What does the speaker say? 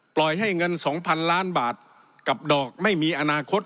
ปล่อยให้เงิน๒๐๐๐ล้านบาทกับดอกไม่มีอนาคต